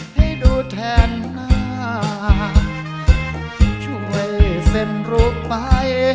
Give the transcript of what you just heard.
ให้ดูแทนหน้าที่ช่วยเส้นรูปไป